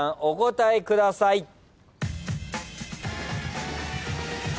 お答えください。